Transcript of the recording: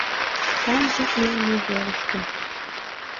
Таҥже илыме велышке.